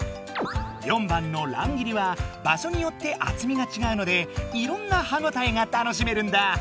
４番の「乱切り」は場所によってあつみがちがうのでいろんな歯ごたえが楽しめるんだ！